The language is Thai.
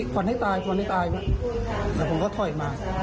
ฟันให้ตายฟันให้ตายแล้วผมก็ถอยมา